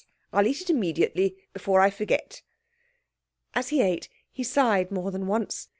I'll eat it immediately, before I forget." As he ate it he sighed more than once.